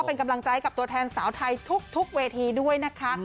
เป็นกำลังใจกับตัวแทนสาวไทยทุกเวทีด้วยนะคะ